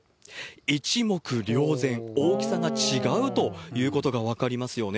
一目りょう前、大きさが違うということが分かりますよね。